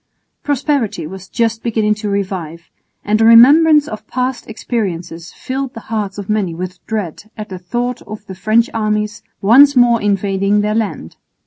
Prosperity was just beginning to revive, and a remembrance of past experiences filled the hearts of many with dread at the thought of the French armies once more invading their land.